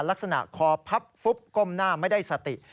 ลักษณะคอพับฟุบก้มหน้าไม่ได้สติ